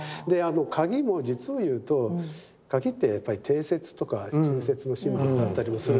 鍵も実を言うと鍵ってやっぱり貞節とか忠節のシンボルだったりもするんですね。